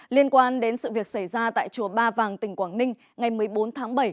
liên quan đến sự việc xảy ra tại chùa ba vàng tỉnh quảng ninh ngày một mươi bốn tháng bảy